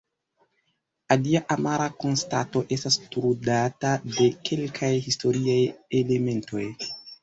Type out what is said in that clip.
Alia amara konstato estas trudata de kelkaj historiaj elementoj.